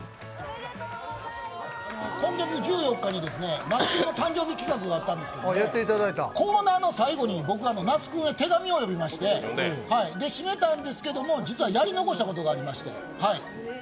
今月１４日に那須君の誕生日企画があったんですけどコーナーの最後に僕が那須君に手紙を読みまして、締めたんですけども、実はやり残したことがありまして。